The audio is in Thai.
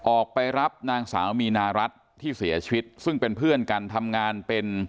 ออกไปรับนางสาวมีนารัฐที่เสียชีวิตซึ่งเป็นเพื่อนกันทำงานเป็น